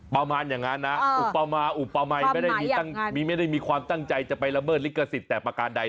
ประมาณอย่างนั้นนะอุปมัยไม่ได้มีความตั้งใจจะไปละเมิดลิขสิทธิ์แต่ประการใด